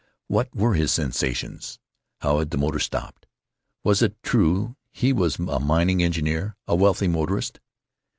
What were his sensations? How had his motor stopped? Was it true he was a mining engineer, a wealthy motorist?